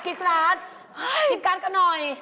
คิดกัดกันหน่อย